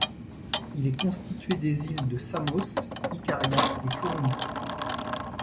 Il est constitué des îles de Samos, Ikaria et Fourni.